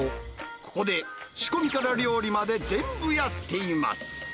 ここで仕込みから料理まで全部やっています。